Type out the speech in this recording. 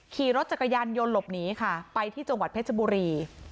ขี่รถจักรยานยนต์หลบหนีค่ะไปที่จังหวัดเพชรบุรี